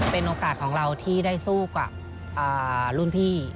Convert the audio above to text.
เป็นโอกาสของเราที่ได้สู้กับรุ่นพี่